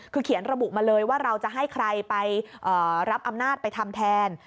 คือเขียนระบุมาเลยว่าเราจะให้ใครไปรับอำนาจไปทำแทน